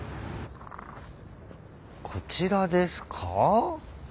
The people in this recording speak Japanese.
こちらですか？